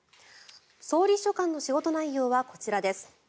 総理秘書官の仕事内容はこちらです。